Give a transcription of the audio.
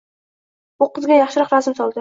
U qizga yaxshiroq razm soldi.